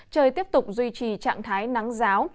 trời tiếp tục duy trì trạng thái nắng giáo